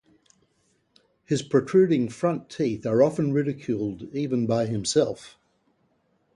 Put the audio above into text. His protruding front teeth are often ridiculed even by himself.